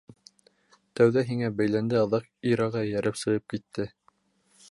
Тәүҙә һиңә бәйләнде, аҙаҡ Ираға эйәреп сығып китте!